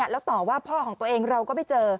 แล้วต่อว่าพ่อของตัวเองเราก็ไม่เจอ